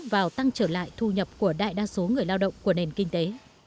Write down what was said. vào tăng trở lại thu nhập của đại đa số người lao động của nền kinh tế